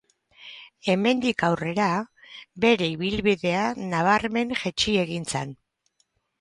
Hemendik aurrera, bere ibilbidea nabarmen jaitsi egin zen.